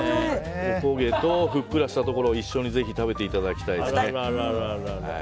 おこげとふっくらしたところを一緒に食べていただきたいですね。